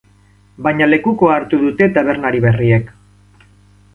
Baina lekukoa hartu dute tabernari berriek.